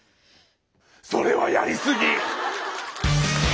それはやりすぎ！